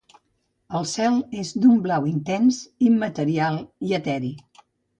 El cel és d'un blau intens, immaterial i eteri.